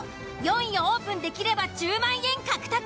４位をオープンできれば１０万円獲得。